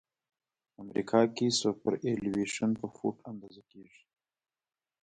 امریکا کې سوپرایلیویشن په فوټ اندازه کیږي